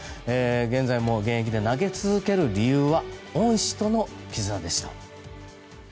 現在も現役で投げ続ける理由は恩師との絆でした。